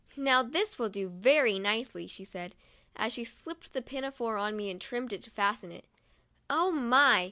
' Now this will do very nicely," she said, as she slipped the pinafore on me and tried to fasten it. " Oh my!